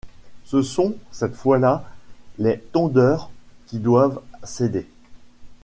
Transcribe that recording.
Ce sont, cette fois là, les tondeurs qui doivent céder.